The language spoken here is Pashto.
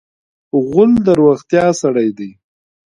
غول د روغتیا سړی دی.